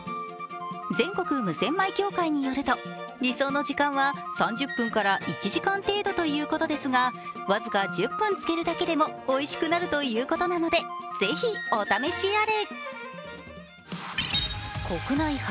全国無洗米協会によると、理想の時間は３０分から１時間程度ということですが僅か１０分つけるだけでもおいしくなるということなので、ぜひお試しあれ。